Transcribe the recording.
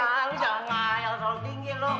ah lu jangan ngayat selalu tinggi lu